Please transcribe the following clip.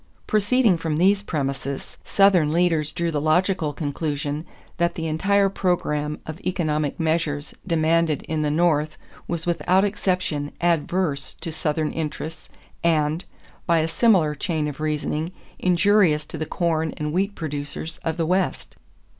= Proceeding from these premises, Southern leaders drew the logical conclusion that the entire program of economic measures demanded in the North was without exception adverse to Southern interests and, by a similar chain of reasoning, injurious to the corn and wheat producers of the West.